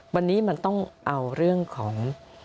วันนี้มันต้องเอาเรื่องของ